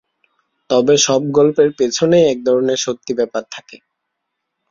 তবে সব গল্পের পেছনেই এক ধরনের সত্যি ব্যাপার থাকে।